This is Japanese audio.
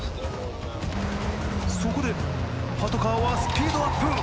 そこでパトカーはスピードアップ！